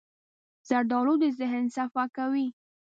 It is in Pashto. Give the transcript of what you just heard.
زردالو د ذهن صفا کوي.